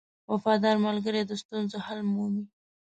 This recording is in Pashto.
• وفادار ملګری د ستونزو حل مومي.